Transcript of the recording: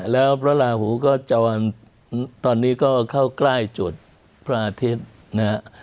แล้วพระราหูก็จะวันตอนนี้ก็เข้าใกล้จุดพระอาทิตย์นะฮะ